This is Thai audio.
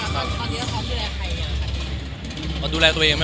แล้วเขาดูแลใครอย่างนี้